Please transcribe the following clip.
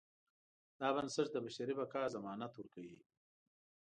دا بنسټ د بشري بقا ضمانت ورکوي.